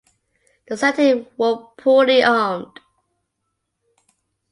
The Santee were poorly armed.